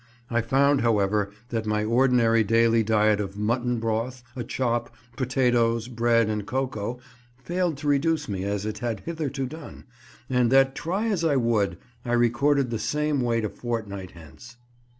I found, however, that my ordinary daily diet of mutton broth, a chop, potatoes, bread, and cocoa failed to reduce me as it had hitherto done, and that, try as I would, I recorded the same weight a fortnight hence.